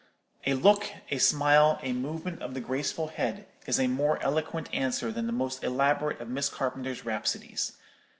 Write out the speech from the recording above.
A look, a smile, a movement of the graceful head, is a more eloquent answer than the most elaborate of Miss Carpenter's rhapsodies.